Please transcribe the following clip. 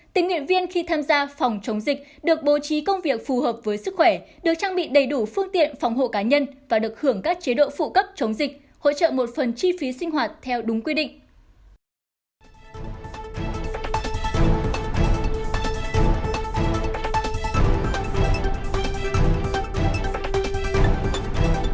tình nguyện viên khi tham gia phòng chống dịch được bố trí công việc phù hợp với sức khỏe được trang bị đầy đủ phương tiện phòng hộ cá nhân và được hưởng các chế độ phụ cấp chống dịch hỗ trợ một phần chi phí sinh hoạt theo đúng quy định